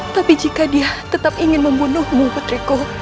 tapi jika dia tetap ingin membunuhmu putriku